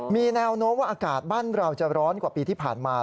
มีแนวโน้มว่าอากาศบ้านเราจะร้อนกว่าปีที่ผ่านมา